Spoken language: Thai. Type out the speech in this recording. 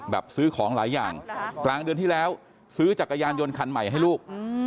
ซื้อของหลายอย่างกลางเดือนที่แล้วซื้อจักรยานยนต์คันใหม่ให้ลูก